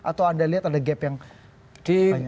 atau anda lihat ada gap yang banyak